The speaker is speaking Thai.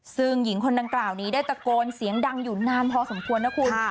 ซึ่งหญิงคนดังกล่าวนี้ได้ตะโกนเสียงดังอยู่นานพอสมควรนะคุณ